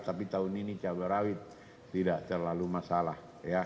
tapi tahun ini cabai rawit tidak terlalu masalah